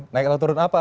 naik atau turun apa